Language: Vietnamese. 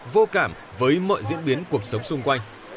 vô cảm với mọi diễn biến cuộc sống xung quanh